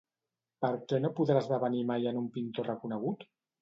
Per què no podrà esdevenir mai en un pintor reconegut?